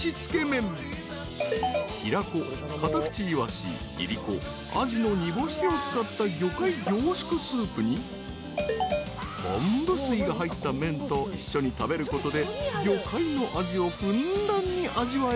［ヒラコカタクチイワシいりこアジの煮干しを使った魚介凝縮スープに昆布水が入った麺と一緒に食べることで魚介の味をふんだんに味わえる一品］